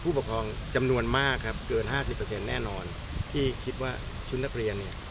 ผู้ปกครองจำนวนมากครับเกิน๕๐แน่นอนที่คิดว่าชุดนักเรียนเนี่ย